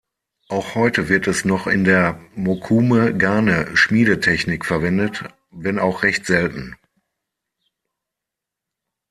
Auch heute wird es noch in der Mokume-Gane-Schmiedetechnik verwendet, wenn auch recht selten.